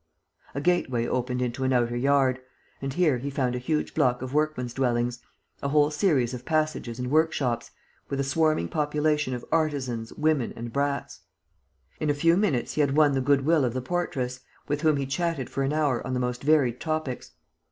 A gateway opened into an outer yard; and here he found a huge block of workmen's dwellings, a whole series of passages and workshops, with a swarming population of artisans, women and brats. In a few minutes, he had won the good will of the portress, with whom he chatted for an hour on the most varied topics.